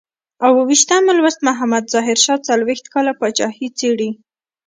اوو ویشتم لوست محمد ظاهر شاه څلویښت کاله پاچاهي څېړي.